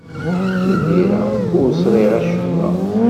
Imir-a, ur sriɣ acemma.